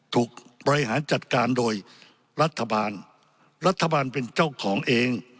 ถูกบริหารจัดการโดยรัฐบาลรัฐบาลเป็นเจ้าของเอง